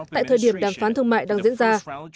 tại thời điểm đàm phán thương mại đang diễn ra